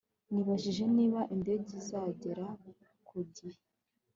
nabajije niba indege izagera ku gihe